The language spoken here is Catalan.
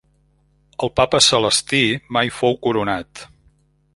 El Papa Celestí mai fou coronat.